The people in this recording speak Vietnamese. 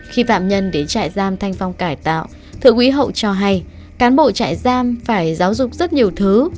khi phạm nhân đến trại giam thanh phong cải tạo thượng úy hậu cho hay cán bộ trại giam phải giáo dục rất nhiều thứ